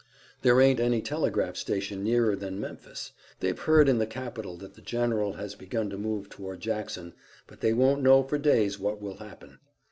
"There ain't any telegraph station nearer than Memphis. They've heard in the capital that the general has begun to move toward Jackson, but they won't know for days what will happen."